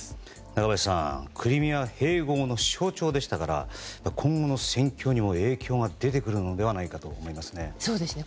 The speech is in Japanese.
中林さんクリミア併合の象徴でしたから今後の戦況にも影響が出てくるのではないかと思いますね。